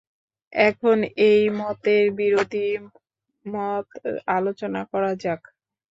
এখন এই মতের বিরোধী মত আলোচনা করা যাক।